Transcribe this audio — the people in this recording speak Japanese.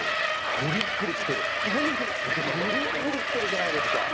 ぐりぐり来てるじゃないですか。